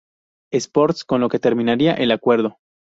Sports, con lo que termina el acuerdo.